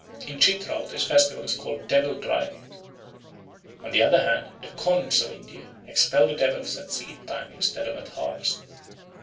In Chitral this festival is called "devil driving." On the other hand the Khonds of India expel the devils at seed time instead of at harvest.